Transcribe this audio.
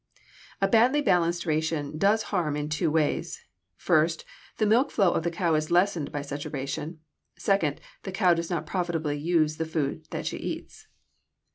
A badly balanced ration does harm in two ways: first, the milk flow of the cow is lessened by such a ration; second, the cow does not profitably use the food that she eats.